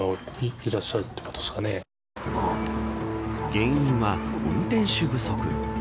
原因は運転手不足。